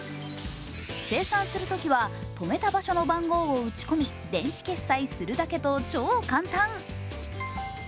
精算するときは止めた場所の番号を打ち込み電子決済するだけと超簡単。